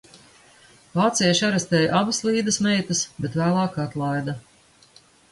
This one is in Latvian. Vācieši arestēja abas Līdas meitas, bet vēlāk atlaida.